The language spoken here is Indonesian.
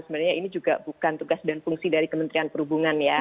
sebenarnya ini juga bukan tugas dan fungsi dari kementerian perhubungan ya